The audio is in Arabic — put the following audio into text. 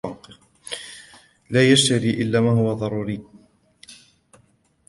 لا يشتري إلا ما هو ضروري.